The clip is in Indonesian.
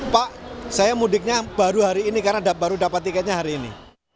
pak saya mudiknya baru hari ini karena baru dapat tiketnya hari ini